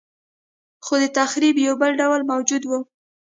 خو د تخریب یو بل ډول موجود و